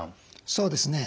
そうですね。